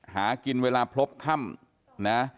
หากินเวลาพบค่ำนะ